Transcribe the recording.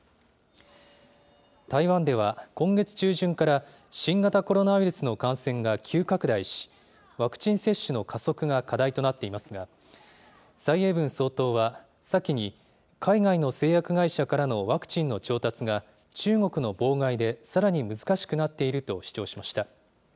台湾では今月中旬から、新型コロナウイルスの感染が急拡大し、ワクチン接種の加速が課題となっていますが、蔡英文総統は、先に、海外の製薬会社からのワクチンの調達が、中国の妨害でさらに難しくなっていると主張しました。